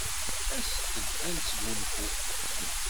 Aset-d ad nesgunfu.